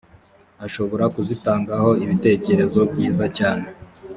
ashobora kuzitangaho ibitekerezo byiza cyane.